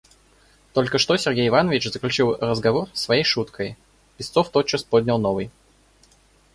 Только что Сергей Иванович заключил разговор своей шуткой, Песцов тотчас поднял новый.